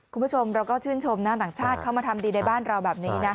คุณผู้ชมเราก็ชื่นชมนะต่างชาติเข้ามาทำดีในบ้านเราแบบนี้นะ